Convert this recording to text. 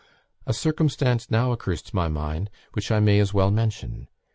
. A circumstance now occurs to my mind which I may as well mention.